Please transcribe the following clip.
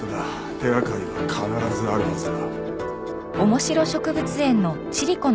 手掛かりは必ずあるはずだ。